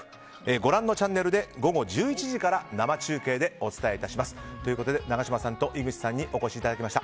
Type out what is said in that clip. ご覧のチャンネルで午後１１時から生中継でお伝えします。ということで永島さんと井口さんにお越しいただきました。